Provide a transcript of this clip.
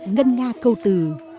ngân nga câu từ